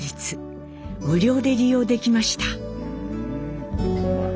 無料で利用できました。